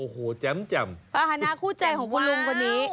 ภาษณาคู่ใจของคุณลุงวันนี้